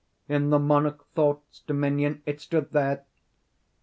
In the monarch Thought's dominion— It stood there!